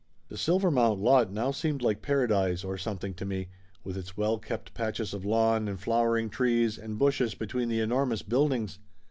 The Silvermount lot now seemed like Paradise or something tc me, with its well kept patches of lawn and flowering trees and bushes between the enormous buildings.